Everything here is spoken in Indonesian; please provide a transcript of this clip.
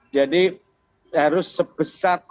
jadi harus sebesar organisasi